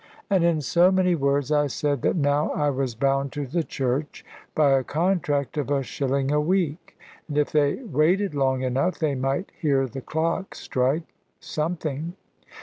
And in so many words I said that now I was bound to the Church by a contract of a shilling a week, and if they waited long enough, they might hear the clock strike something.